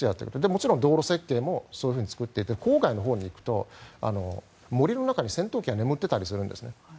もちろん道路設計もそう作っていて郊外に行くと森の中に戦闘機が眠っていたりするんですね。